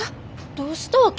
どうしたわけ？